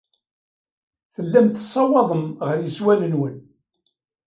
Tellam tessawaḍem ɣer yeswan-nwen.